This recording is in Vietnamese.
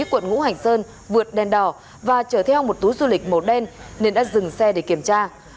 quận ngũ hành sơn vượt đèn đỏ và chở theo một túi du lịch màu đen nên đã dừng xe để kiểm tra